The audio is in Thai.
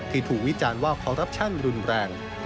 ถูกวิจารณ์ว่าคอรัปชั่นรุนแรง